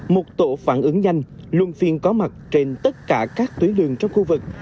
một tổ phản ứng nhanh luôn phiên có mặt trên tất cả các tuyến lượng trong khu vực